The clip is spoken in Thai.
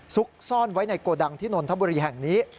ซุกซ่อนไว้ในโกดังที่นนทบุรีแห่งนี้